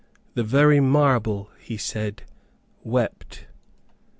The very marble, he said, wept.